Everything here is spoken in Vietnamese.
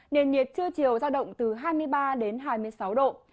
nền nhiệt trưa chiều giao động từ hai mươi ba đến hai mươi sáu độ